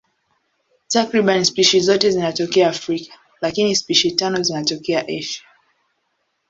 Takriban spishi zote zinatokea Afrika, lakini spishi tano zinatokea Asia.